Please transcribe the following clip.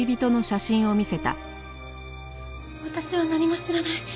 私は何も知らない。